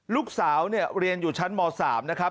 ลูกสาวเนี่ยเรียนอยู่ชั้นม๓นะครับ